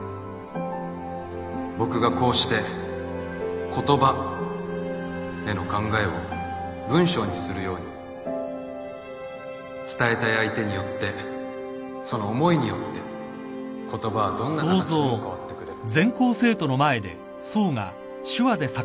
「僕がこうして言葉への考えを文章にするように伝えたい相手によってその思いによって言葉はどんなかたちにも変わってくれる」